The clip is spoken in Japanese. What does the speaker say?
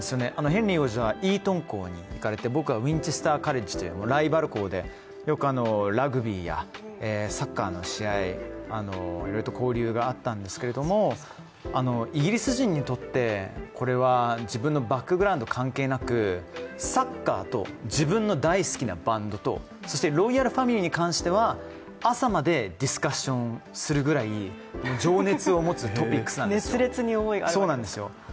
ヘンリー王子はイートン校へ行かれて僕はウィンチェスターカレッジというライバル校でラグビーやサッカーの試合、いろいろと交流があったんですけど、イギリス人にとってこれは、自分のバックグラウンドは関係なく、サッカーと、自分の大好きなバンドと、そしてロイヤル・ファミリーに関しては朝までディスカッションするぐらい情熱を持つトピックスなんですよ。